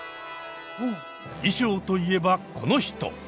衣装と言えばこの人。